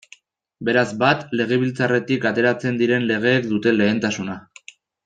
Beraz, bat, Legebiltzarretik ateratzen diren legeek dute lehentasuna.